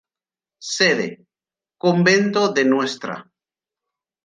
Sede: Convento de Ntra.